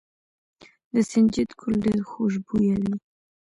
د سنجد ګل ډیر خوشبويه وي.